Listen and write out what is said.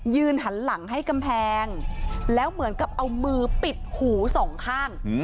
หันหลังให้กำแพงแล้วเหมือนกับเอามือปิดหูสองข้าง